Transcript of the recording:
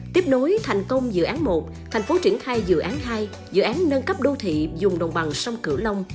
tiếp nối thành công dự án một thành phố triển khai dự án hai dự án nâng cấp đô thị dùng đồng bằng sông cửu long